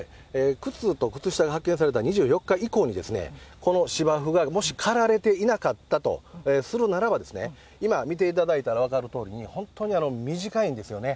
靴と靴下が発見された２４日以降に、この芝生がもし刈られていなかったとするならば、今見ていただいたら分かるとおりに、本当に短いんですよね。